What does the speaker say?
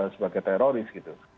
sebagai teroris gitu